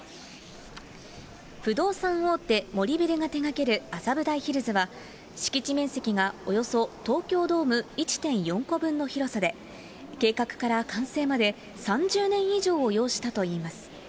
不動産大手、森ビルが手掛ける麻布台ヒルズは、敷地面積がおよそ東京ドーム１．４個分の広さで、計画から完成まで３０年以上を要したといいます。